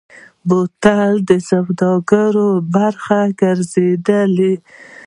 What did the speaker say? بوتل د سوداګرۍ برخه ګرځېدلی.